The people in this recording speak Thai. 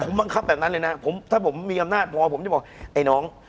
ผมบังคับแบบนั้นเลยนะถ้าผมมีอำนาจพอผมจะบอกไอ้น้อง